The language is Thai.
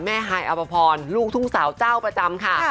ฮายอภพรลูกทุ่งสาวเจ้าประจำค่ะ